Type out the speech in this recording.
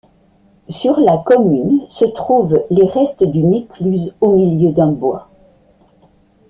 Sur la commune se trouvent les restes d'une écluse, au milieu d'un bois.